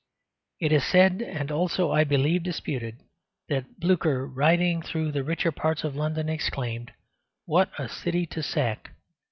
It is said (and also, I believe, disputed) that Blücher riding through the richer parts of London exclaimed, "What a city to sack!"